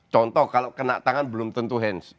contoh kalau kena tangan belum tentu hands